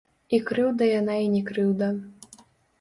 І крыўда яна і не крыўда.